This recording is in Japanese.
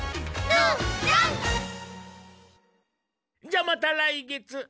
じゃあまた来月。